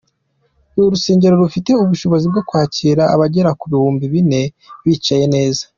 Ni urusengero rufite ubushobozi bwo kwakira abagera ku bihumbi bine bicaye neza.